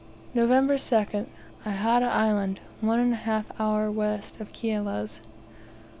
November 2nd. Ihata Island, one and a half hour west of Kiala's.